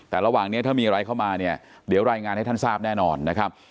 แต่ระหว่างนี้ถ้ามีอะไรเข้ามาเนี่ยเดี๋ยวรายงานให้ท่านทราบแน่นอนนะครับ